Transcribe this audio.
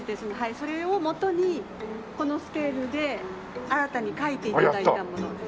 それを元にこのスケールで新たに描いて頂いたものです。